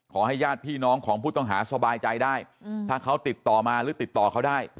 ญาติพี่น้องของผู้ต้องหาสบายใจได้ถ้าเขาติดต่อมาหรือติดต่อเขาได้